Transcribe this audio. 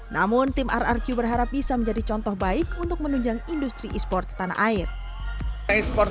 namun tim rrq berharap bisa menjadi contoh baik untuk menunjang industri e sports tanah air